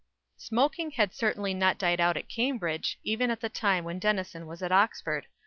_" Smoking had certainly not died out at Cambridge, even at the time when Denison was at Oxford.